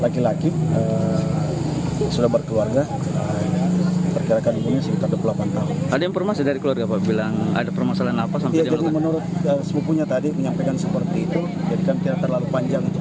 kondisi korban tersebut telah dilakukan koordinasi kepada berbagai tim